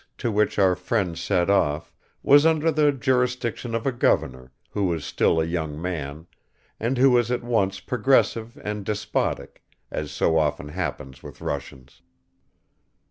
TO WHICH OUR FRIENDS SET OFF WAS UNDER THE jurisdiction of a governor, who was still a young man, and who was at once progressive and despotic, as so often happens with Russians.